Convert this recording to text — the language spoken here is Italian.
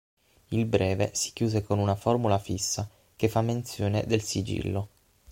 Il breve si chiude con una formula fissa, che fa menzione del sigillo.